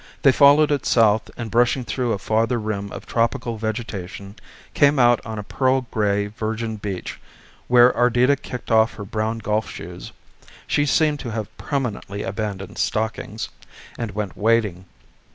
They followed it south and brushing through a farther rim of tropical vegetation came out on a pearl gray virgin beach where Ardita kicked of her brown golf shoes she seemed to have permanently abandoned stockings and went wading.